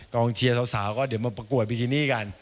เชียร์สาวก็เดี๋ยวมาประกวดบิกินี่กัน